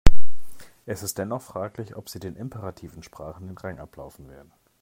Es ist dennoch fraglich, ob sie den imperativen Sprachen den Rang ablaufen werden.